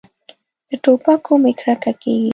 له ټوپکو مې کرکه کېږي.